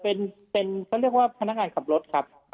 เป็นเขาเรียกว่าพนักงานขับรถครับ